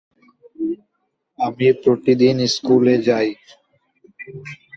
Korean উপদ্বীপ।